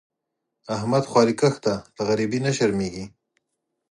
احمد خواریکښ دی؛ له غریبۍ نه شرمېږي.